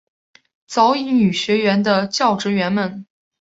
早乙女学园的教职员们。